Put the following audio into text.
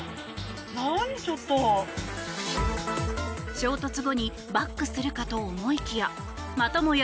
衝突後にバックするかと思いきやまたもや